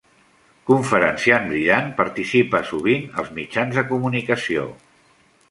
Conferenciant brillant, participa sovint als mitjans de comunicació.